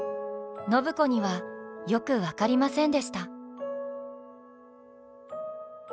暢子にはよく分かりませんでした。